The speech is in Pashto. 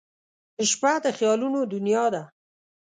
• شپه د خیالونو دنیا ده.